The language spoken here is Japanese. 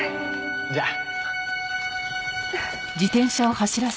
じゃあ。